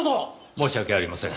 申し訳ありません。